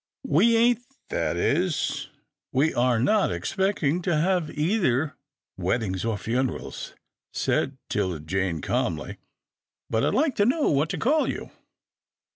" We ain't — that is, we are not — expecting to have either weddings or funerals," said 'Tilda Jane calmly, but I'd like to know what to call you.